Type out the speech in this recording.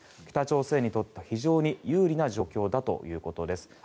北朝鮮にとっては非常に有利な状況だということです。